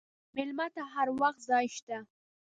مېلمه ته هر وخت ځای شته.